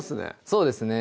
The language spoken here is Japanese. そうですね